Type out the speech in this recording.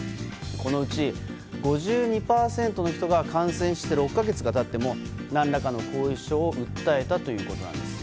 このうち５２％の人が感染して６か月が経っても何らかの後遺症を訴えたということなんです。